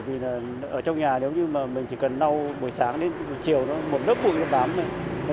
bởi vì ở trong nhà nếu như mình chỉ cần lau buổi sáng đến chiều một lớp bụi nó bám rồi